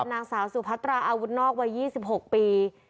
นางสาวสุพัตราอาวุธนอกวัย๒๖ปี